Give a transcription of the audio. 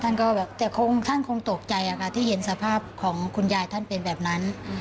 ท่านก็แบบแต่คงท่านคงตกใจค่ะที่เห็นสภาพของคุณยายท่านเป็นแบบนั้น